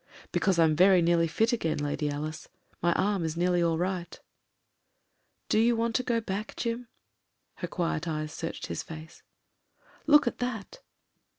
"Because I'm very nearly fit again. Lady Alice. My arm is nearly all right." "Do you want to go back, Jim?" Her quiet eyes searched his face. "Look at that."